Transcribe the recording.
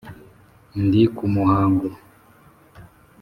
Ndi ku muhango.